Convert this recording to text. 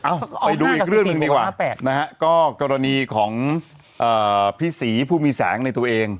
ไปดูอีกเรื่องหนึ่งดีกว่านะฮะก็กรณีของพี่ศรีผู้มีแสงในตัวเอง